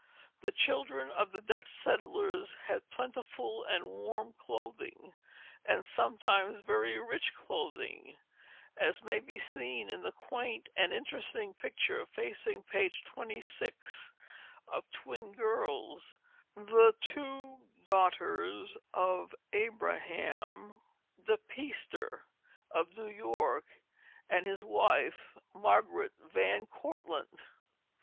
The children of the Dutch settlers had plentiful and warm clothing, and sometimes very rich clothing, as may be seen in the quaint and interesting picture facing page 26, of twin girls, the two daughters of Abraham De Peyster of New York, and his wife, Margaret Van Cortlandt.